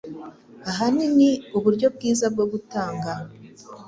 Ahanini uburyo bwiza bwo gutanga